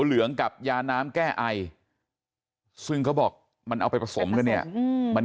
เหลืองกับยาน้ำแก้ไอซึ่งเขาบอกมันเอาไปผสมกันเนี่ยมัน